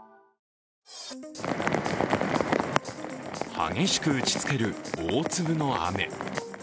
激しく打ちつける大粒の雨。